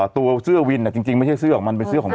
ตัวเสื้อวินจริงไม่ใช่เสื้อของมันเป็นเสื้อของมัน